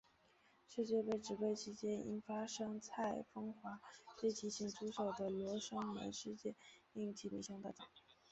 世界杯直播期间因发生蔡枫华对其咸猪手的罗生门事件令其声名大噪。